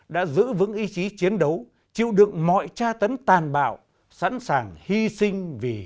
đã giữ vững ý chí chiến đấu chịu đựng mọi tra tấn tàn bạo sẵn sàng hy sinh vì